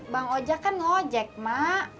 bang ojak kan ngeojek mak